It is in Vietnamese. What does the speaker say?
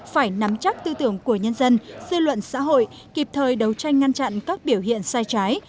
phải nắm chắc tư tưởng của nhân dân dư luận xã hội kịp thời đấu tranh ngăn chặn các biểu hiện sai trái